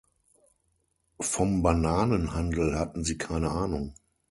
Vom Bananenhandel hatten sie keine Ahnung.